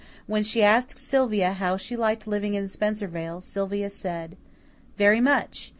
When she asked Sylvia how she liked living in Spencervale, Sylvia said, "Very much.